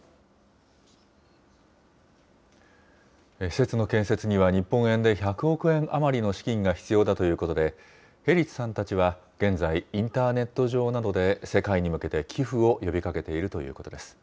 施設の建設には、日本円で１００億円余りの資金が必要だということで、ヘリチさんたちは現在、インターネット上などで、世界に向けて寄付を呼びかけているということです。